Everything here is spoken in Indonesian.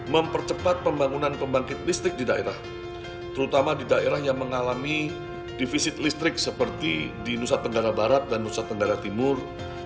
enam belas mempercepat pembangunan pembangkit listrik di daerah terutama di daerah yang mengalami divisi listrik seperti di nusantara barat dan nusantara timur